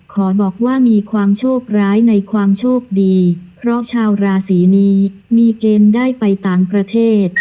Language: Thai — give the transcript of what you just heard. ขอบอกว่ามีความโชคร้ายในความโชคดีเพราะชาวราศีนี้มีเกณฑ์ได้ไปต่างประเทศ